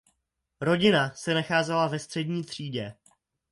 Rodina se nacházela ve střední třídě.